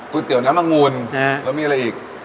ก๋วยเตี๋ยวน้ำมะงูลแล้วมีอะไรอีก